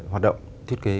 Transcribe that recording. hoạt động thiết kế